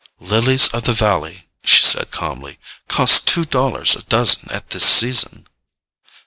"Lilies of the valley," she said calmly, "cost two dollars a dozen at this season."